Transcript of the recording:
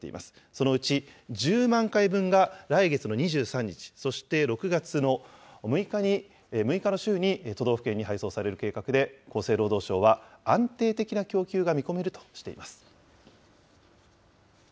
そのうち１０万回分が来月の２３日、そして６月の６日の週に都道府県に配送される計画で、厚生労働省は安定的な供給が見込めるとしています。